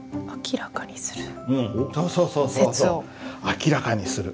「明らかにする」。